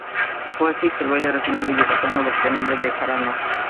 Fue así que el baile regional de Yucatán adoptó el nombre de Jarana.